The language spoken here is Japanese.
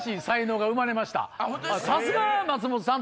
さすがは松本さん！